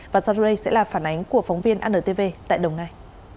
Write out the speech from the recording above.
và sau đây sẽ là phản ánh của phóng viên antv tại đồng nai